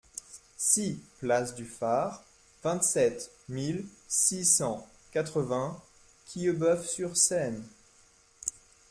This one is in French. six place du Phare, vingt-sept mille six cent quatre-vingts Quillebeuf-sur-Seine